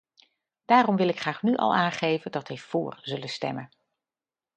Daarom wil ik graag nu al aangeven dat wij voor zullen stemmen.